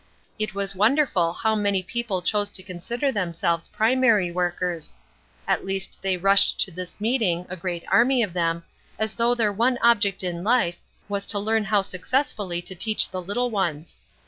It was wonderful how many people chose to consider themselves primary workers? At least they rushed to this meeting, a great army of them, as though their one object in life, was to learn how successfully to teach the little ones.